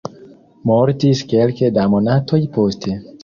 Mortis kelke da monatoj poste.